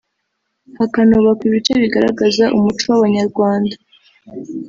hakanubakwa ibice bigaragaza umuco w’Abanyarwanda